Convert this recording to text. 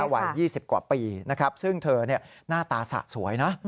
วัย๒๐กว่าปีนะครับซึ่งเธอหน้าตาสะสวยนะ